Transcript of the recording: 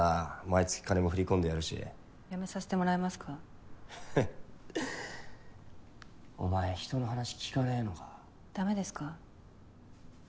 毎月金も振り込んでやるしやめさせてもらえますかお前人の話聞かねぇのかダメですか？